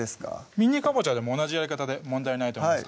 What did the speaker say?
ミニかぼちゃでも同じやり方で問題ないと思います